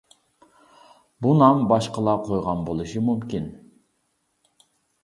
بۇ نام باشقىلار قويغان بولۇشى مۇمكىن.